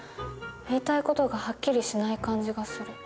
言いたい事がはっきりしない感じがする。